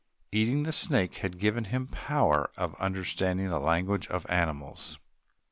Eating the snake had given him power of understanding the language of animals.